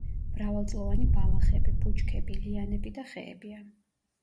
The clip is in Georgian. მრავალწლოვანი ბალახები, ბუჩქები, ლიანები და ხეებია.